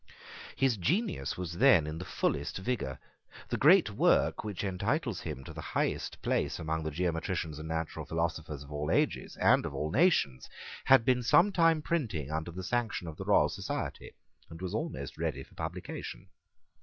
His genius was then in the fullest vigour. The great work, which entitles him to the highest place among the geometricians and natural philosophers of all ages and of all nations, had been some time printing under the sanction of the Royal Society, and was almost ready for publication.